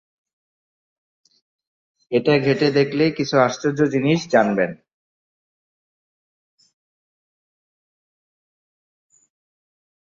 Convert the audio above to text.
এটা ঘেঁটে দেখলে কিছু আশ্চর্য বিষয় জানবেন।